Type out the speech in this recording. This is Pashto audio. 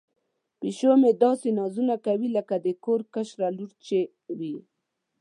پیشو مې داسې نازونه کوي لکه د کور کشره لور چې وي.